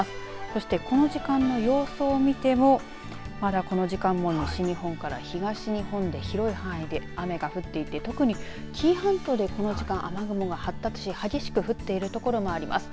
そして、この時間の様子を見てもまだ、この時間も西日本から東日本で広い範囲で雨が降っていて特に紀伊半島でこの時間、雨雲が発達し激しく降っている所もあります。